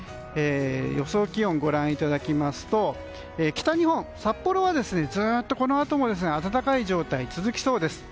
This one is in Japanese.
予想気温ご覧いただきますと北日本、札幌はずっとこのあとも暖かい状態が続きそうです。